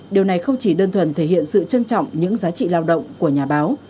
điều này không chỉ đơn thuần thể hiện sự trân trọng những giá trị lao động của nhà báo